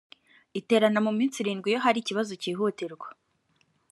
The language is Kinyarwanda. itrerana mu minsi irindwi iyo hari ikibazo cyihutirwa